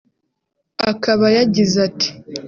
Akaba yagize ati